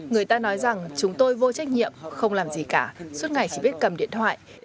người ta nói rằng chúng tôi vô trách nhiệm không làm gì cả suốt ngày chỉ biết cầm điện thoại